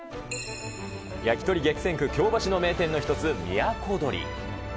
焼き鳥激戦区、京橋の名店の一つ、都鳥。